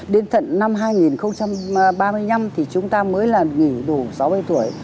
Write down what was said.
đến tận năm hai nghìn ba mươi năm thì chúng ta mới là nghỉ đủ sáu mươi tuổi